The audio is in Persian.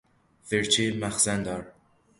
فرچه مخزن دار